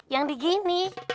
yang di gini